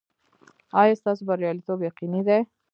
ایا ستاسو بریالیتوب یقیني دی؟